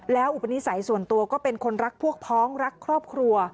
แล้วอุปนิสัยส่วนตัวก็เป็นคนรักพวกพ้องรักครอบครัว